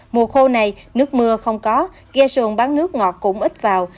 mùa khô này nước mưa không có ghe xuồng bán nước ngọt cũng ít vào